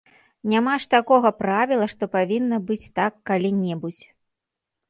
Няма ж такога правіла, што павінна быць так калі-небудзь.